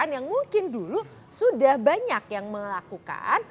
yang mungkin dulu sudah banyak yang melakukan